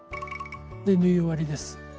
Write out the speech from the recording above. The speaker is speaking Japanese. で縫い終わりです。